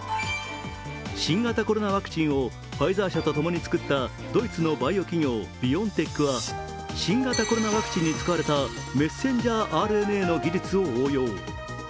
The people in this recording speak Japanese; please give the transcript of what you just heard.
新型コロナワクチンをファイザー社と一緒に作ったドイツのバイオ企業、ビオンテックは、新型コロナワクチンに使われたメッセンジャーＲＮＡの技術を応用。